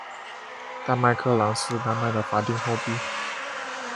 丹麦克朗是丹麦的法定货币。